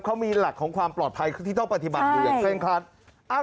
เขามีหลักของความปลอดภัยที่ต้องปฏิบัติอยู่อย่างเคร่งครัด